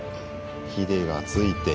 ひでがついて。